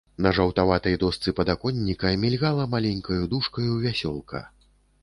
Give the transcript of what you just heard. На жаўтаватай дошцы падаконніка мільгала маленькаю дужкаю вясёлка.